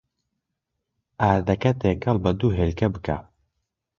ئاردەکە تێکەڵ بە دوو هێلکە بکە.